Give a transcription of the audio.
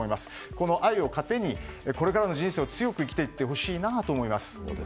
この愛を糧に、これからの人生を強く生きていってほしいと思います。